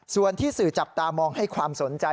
ส่วนที่สื่อจับตามองให้ความสนใจ